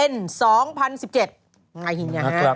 ง่ายไงฮะ